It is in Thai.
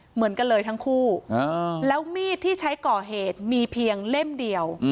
เหมือนกันเลยทั้งคู่แล้วมีดที่ใช้ก่อเหตุมีเพียงเล่มเดียว